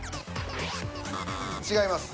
違います。